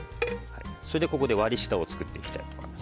ここで割り下を作っていきたいと思います。